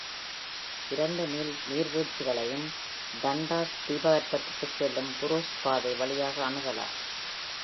இரண்டு நீர்வீழ்ச்சிகளையும் டன்டாஸ் தீபகற்பத்திற்கு செல்லும் புரூஸ் பாதை வழியாக அணுகலாம்.